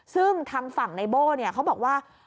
ซึ่งทางฝั่งในโบ้เขาบอกว่า